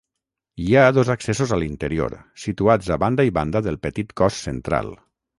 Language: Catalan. Hi ha dos accessos a l'interior, situats a banda i banda del petit cos central.